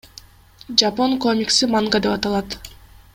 Жапон комикси манга деп аталат.